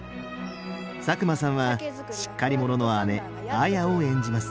佐久間さんはしっかり者の姉綾を演じます。